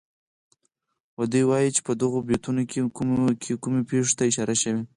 ودې وايي چه په دغو بیتونو کې کومو پېښو ته اشاره شوې.